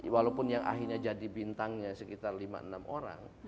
walaupun yang akhirnya jadi bintangnya sekitar lima enam orang